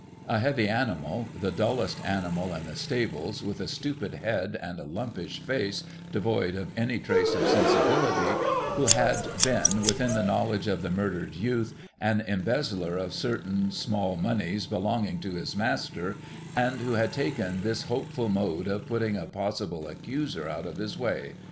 A heavy animal, — the dullest animal in the stables, — with a stupid head, and a lumpish face devoid of any trace of sensibility, who had been, within the knowledge of the murdered youth, an embezzler of certain small moneys belonging to his master, and who had taken this hopeful mode of putting a possible accuser out of his way.